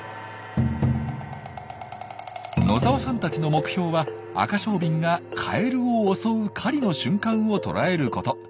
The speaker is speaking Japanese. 野澤さんたちの目標はアカショウビンがカエルを襲う狩りの瞬間を捉えること。